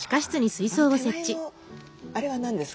手前のあれは何ですか？